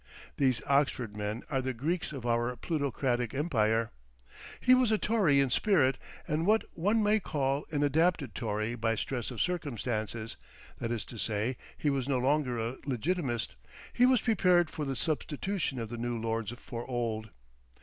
These Oxford men are the Greeks of our plutocratic empire. He was a Tory in spirit, and what one may call an adapted Tory by stress of circumstances; that is to say, he was no longer a legitimist; he was prepared for the substitution of new lords for old.